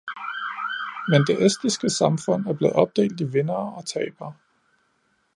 Men det estiske samfund er blevet opdelt i vindere og tabere.